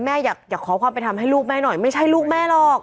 แม่อยากขอความเป็นธรรมให้ลูกแม่หน่อยไม่ใช่ลูกแม่หรอก